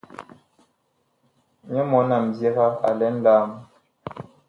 Nyɔ mɔɔn a mindiga a lɛ nlaam.